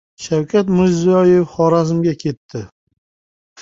Shavkat Mirziyoyev Xorazmga ketdi